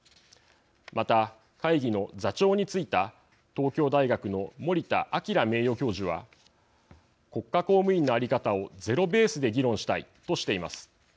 また会議の座長に就いた東京大学の森田朗名誉教授は「国家公務員の在り方をゼロベースで議論したい」としています。